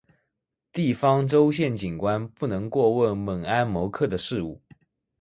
地方州县长官不能过问猛安谋克的事务。